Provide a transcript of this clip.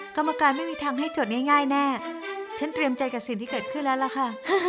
กรรมการไม่มีทางให้จดง่ายแน่ฉันเตรียมใจกับสิ่งที่เกิดขึ้นแล้วล่ะค่ะ